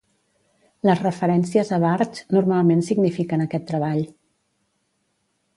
Les referències a "Bartsch" normalment signifiquen aquest treball.